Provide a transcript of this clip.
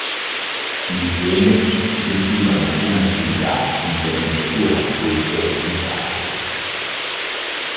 Insieme gestivano un'attività di verniciatura a spruzzo di case.